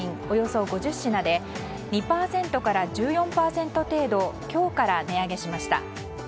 およそ５０品で２％から１４％程度今日から値上げしました。